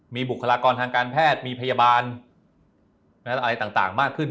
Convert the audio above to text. มีบุคลากรทางการแพทย์มีพยาบาลอะไรต่างมากขึ้น